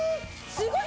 すごーい！